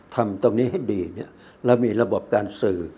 ทำตรงนี้ให้ดีเนี่ยเรามีระบบการสื่อ